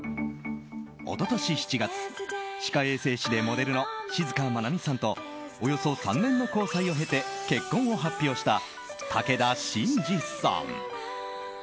一昨年７月、歯科衛生士でモデルの静まなみさんとおよそ３年の交際を経て結婚を発表した武田真治さん。